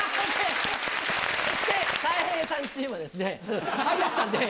そして、たい平さんチームはですね、愛楽さんです。